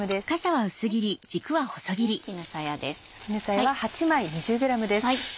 絹さやです。